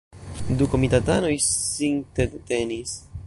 Du komitatanoj sintedetenis.